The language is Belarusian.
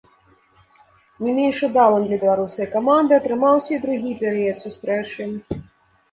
Не менш удалым для беларускай каманда атрымаўся і другі перыяд сустрэчы.